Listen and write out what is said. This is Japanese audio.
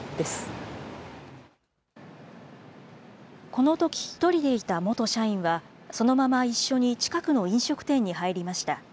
このとき、１人でいた元社員は、そのまま一緒に近くの飲食店に入りました。